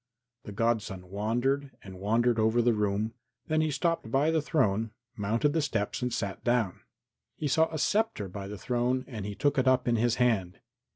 The godson wandered and wandered over the room; then he stopped by the throne, mounted the steps and sat down. He saw a sceptre by the throne and he took it up in his hand.